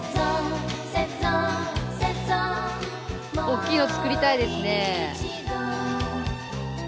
大きいの作りたいですね。